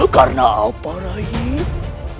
karena apa raih